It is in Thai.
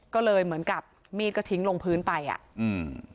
ก็เลยเหมือนกับมีดก็ทิ้งลงพื้นไปอ่ะอืม